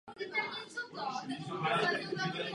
Došlo rovněž k navýšení rozpočtu a počtu zaměstnanců.